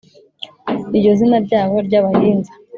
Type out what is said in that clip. iryo zina ryabo ry’abahinza,